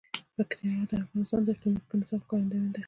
پکتیا د افغانستان د اقلیمي نظام ښکارندوی ده.